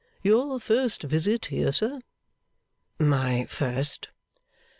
Your first visit here, sir?' 'My first.